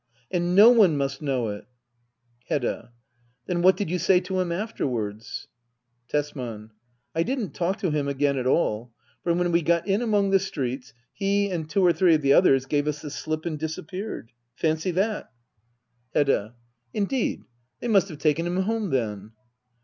And no one must know it Hedda. Then what did you say to him afterwards ? Tesman. I didn't talk to him again at all ; for when we got in among the streets, he and two or three of the others gave us the slip and disappeared. Fancy that ! Digitized by Google 128 HBDDA OABLEK. [aCT III. Hbdda. Indeed ! They must have taken him home then.